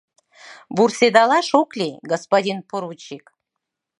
— Вурседалаш ок лий, господин поручик.